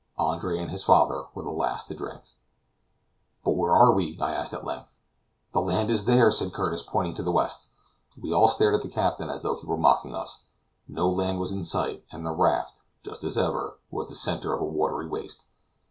Andre and his father were the last to drink. "But where are we?" I asked at length. "The land is there," said Curtis, pointing toward the west. We all stared at the captain as though he were mocking us: no land was in sight, and the raft, just as ever, was the center of a watery waste.